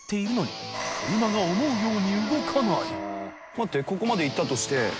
待ってここまでいったとして。